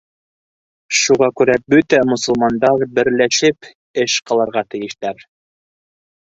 Шуға күрә бөтә мосолмандар берләшеп эш ҡылырға тейештәр...